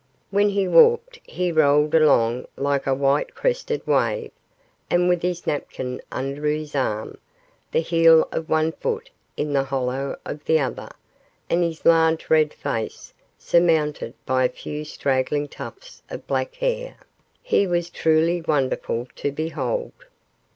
When he walked he rolled along like a white crested wave, and with his napkin under his arm, the heel of one foot in the hollow of the other, and his large red face, surmounted by a few straggling tufts of black hair, he was truly wonderful to behold.